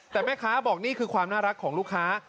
แต่แม่ค้าบอกนี่คือความน่ารักของลูกค้า